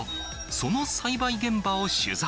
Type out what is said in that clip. その栽培現場を取材。